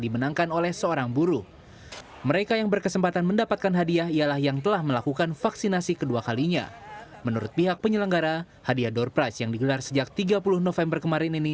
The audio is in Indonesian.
menurut pihak penyelenggara hadiah door price yang digelar sejak tiga puluh november kemarin ini